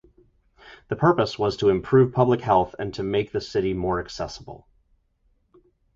The purpose was to improve public health and to make the city more accessible.